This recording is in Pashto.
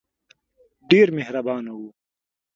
ډېر مهربان وو.